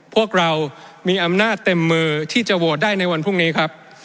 พวกเรามีอำนาจเต็มมือที่จะโหวตได้ในวันพรุ่งนี้ครับ